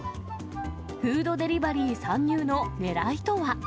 フードデリバリー参入のねらいとは。